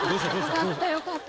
良かった良かった。